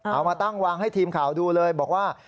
เอามาตั้งวางให้ทีมข่าวดูเลยบอกว่า